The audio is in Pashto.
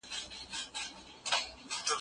آيا نکاح بايد دائمي حرمت ونلري؟